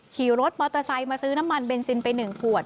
ขี่รถมอเตอร์ไซค์มาซื้อน้ำมันเบนซินไป๑ขวด